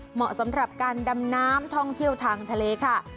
เหมาะสำหรับการดำน้ำท่องเที่ยวทางทะเลค่ะ